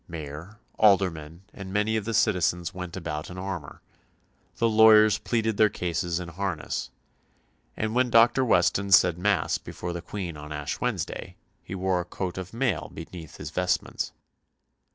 Mayor, aldermen, and many of the citizens went about in armour, "the lawyers pleaded their causes in harness," and when Dr. Weston said Mass before the Queen on Ash Wednesday he wore a coat of mail beneath his vestments.